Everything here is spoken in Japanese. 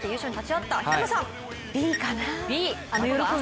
Ｂかな？